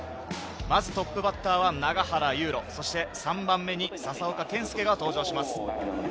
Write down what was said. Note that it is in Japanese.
まずトップバッターは永原悠路、そして３番目に笹岡建介が登場します。